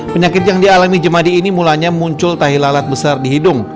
penyakit yang dialami jemadi ini mulanya muncul tahi lalat besar di hidung